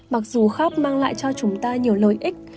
mặc dù khác mang lại cho chúng ta nhiều lợi ích